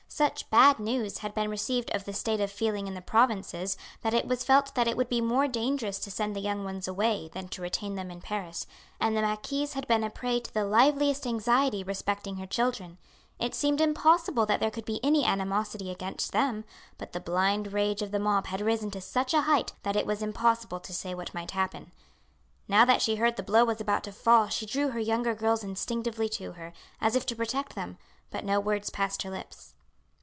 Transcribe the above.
Such bad news had been received of the state of feeling in the provinces, that it was felt that it would be more dangerous to send the young ones away than to retain them in Paris, and the marquise had been a prey to the liveliest anxiety respecting her children. It seemed impossible that there could be any animosity against them, but the blind rage of the mob had risen to such a height that it was impossible to say what might happen. Now that she heard the blow was about to fall she drew her younger girls instinctively to her, as if to protect them, but no word passed her lips.